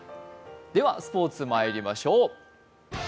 では、スポーツまいりましょう。